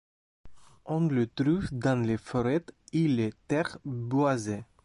On le trouve dans les forêts et les terres boisées.